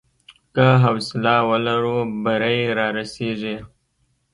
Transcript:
که حوصله ولرو، بری رارسېږي.